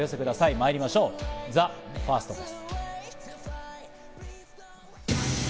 まいりましょう、ＴＨＥＦＩＲＳＴです。